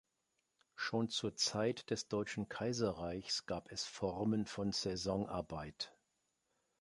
Schon zur Zeit des deutschen Kaiserreichs gab es Formen von Saisonarbeit.